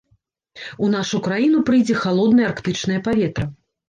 У нашу краіну прыйдзе халоднае арктычнае паветра.